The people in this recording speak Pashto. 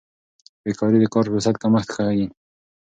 بیکاري د کار فرصت کمښت ښيي.